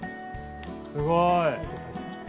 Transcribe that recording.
すごい。